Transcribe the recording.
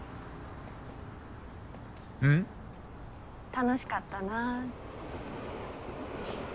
楽しかったな。